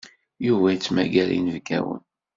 Yuba yettmagar inebgawen.